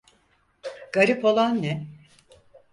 Garip olan ne?